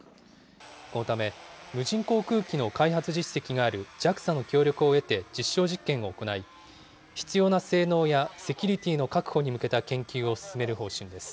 このため、無人航空機の開発実績があるＪＡＸＡの協力を得て、実証実験を行い、必要な性能やセキュリティの確保に向けた研究を進める方針です。